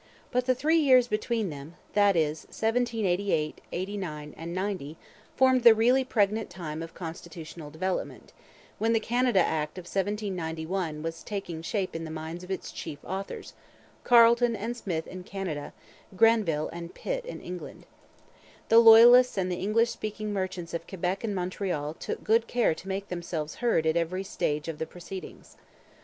But the three years between them that is, 1788 89 90 formed the really pregnant time of constitutional development, when the Canada Act of 1791 was taking shape in the minds of its chief authors Carleton and Smith in Canada, Grenville and Pitt in England. The Loyalists and the English speaking merchants of Quebec and Montreal took good care to make themselves heard at every stage of the proceedings.